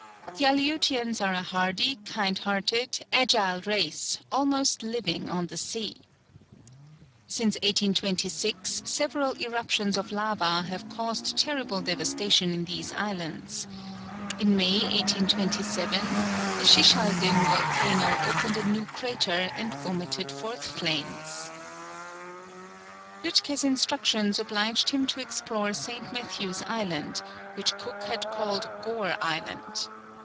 The Aleutians are a hardy, kind hearted, agile race, almost living on the sea. Since 1826 several eruptions of lava have caused terrible devastation in these islands. In May, 1827, the Shishaldin volcano opened a new crater, and vomited forth flames. Lütke's instructions obliged him to explore St. Matthew's Island, which Cook had called Gore Island.